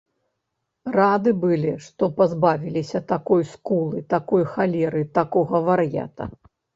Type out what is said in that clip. Рады былі, што пазбавіліся такой скулы, такой халеры, такога вар'ята.